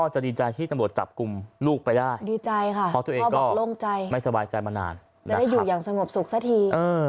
จะได้อยู่อย่างสงบสุขซะที